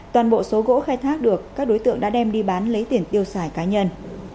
toàn bộ số gỗ khai thác được các đối tượng đã đem đi bán lấy tiền tiêu xài cá nhân